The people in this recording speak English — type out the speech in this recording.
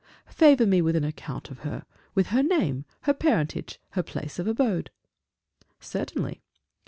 "Favor me with an account of her with her name, her parentage, her place of abode." "Certainly."